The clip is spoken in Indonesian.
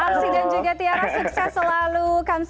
talsi dan juga tiara sukses selalu